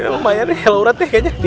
lumayan ya orang itu unternehmen